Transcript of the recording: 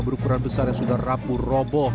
berukuran besar yang sudah rapuh roboh